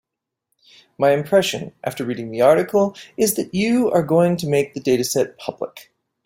My impression after reading the article is that you are going to make the dataset public.